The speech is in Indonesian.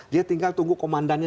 dia tinggal tunggu komandannya